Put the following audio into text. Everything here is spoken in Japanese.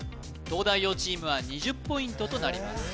東大王チームは２０ポイントとなります